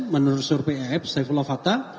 menurut sur pif saifullah fatah